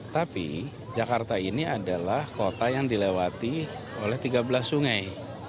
tapi jakarta ini adalah kota yang dilewati oleh tiga belas sungai